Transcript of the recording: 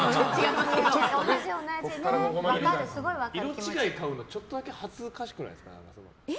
色違い買うのってちょっとだけ恥ずかしくないですか？